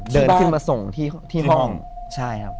ที่บ้านที่ห้องใช่ครับ